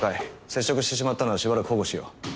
接触してしまったならしばらく保護しよう。